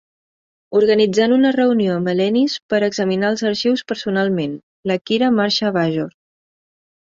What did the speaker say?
Organitzant una reunió amb Alenis per examinar els arxius personalment, la Kira marxa a Bajor.